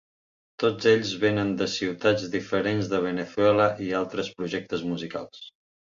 Tots ells venen de ciutats diferents de Venezuela i altres projectes musicals.